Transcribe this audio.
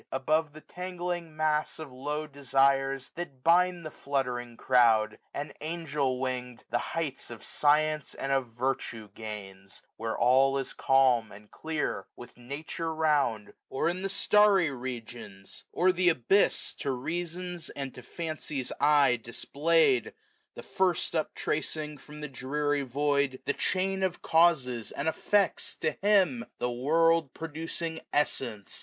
Above the tangling mass q£ low desires. That bind the fluttering crowd ; and^ angelwwing'd,. The heights of science and of virtue g^iins, ^740 Where all is calm and clear ; with Nature rounds . Or in the starry regions, or th' abyss, _^ To Reason's and to Fancy's eye display'd : SUMMER. 115 Tiic first up tracing, from the dreary void, The chain of causes and effects to Him, 1745 The world producing Essence